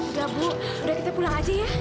udah bu udah kita pulang aja ya